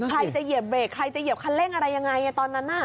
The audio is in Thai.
ใครจะเหยียบเบรกใครจะเหยียบคันเร่งอะไรยังไงตอนนั้น